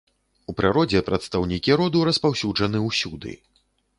У прыродзе прадстаўнікі роду распаўсюджаны ўсюды.